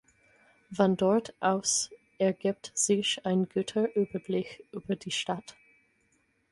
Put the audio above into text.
Von dort aus ergibt sich ein guter Überblick über die Stadt.